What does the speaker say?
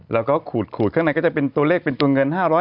แล้วก็ขูดข้างในก็จะเป็นตัวเลขเป็นตัวเงิน๕๐๐